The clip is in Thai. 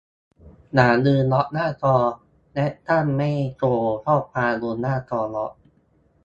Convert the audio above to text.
อย่าลืมล็อกหน้าจอ และตั้งไม่โชว์ข้อความบนหน้าจอล็อก